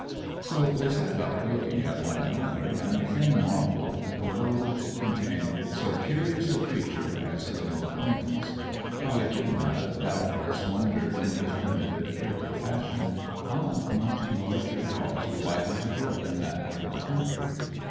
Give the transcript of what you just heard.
So they sat up looking at one another, and Finn marvelled that the world should contain so curious a creature as his new acquaintance; while Echidna doubtless wondered, in his primitive, prickly fashion, how much larger dogs were likely to grow in that part of the country.